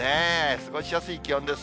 過ごしやすい天気です。